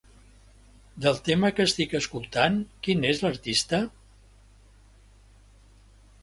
Del tema que estic escoltant, qui n'és l'artista?